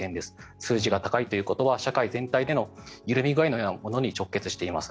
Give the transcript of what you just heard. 数字が高いということは社会全体での緩み具合のようなものに直結しています。